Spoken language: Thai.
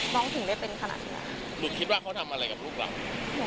ถึงได้เป็นขนาดเนี้ยหนูคิดว่าเขาทำอะไรกับลูกเรา